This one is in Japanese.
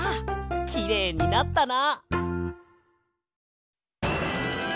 きれいになったな！